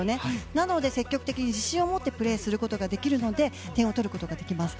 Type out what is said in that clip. なので積極的に自信を持ってプレーすることができるので点を取ることができます。